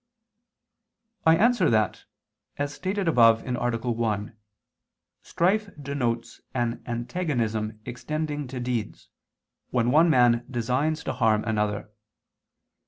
I answer that, As stated above (A. 1), strife denotes an antagonism extending to deeds, when one man designs to harm another.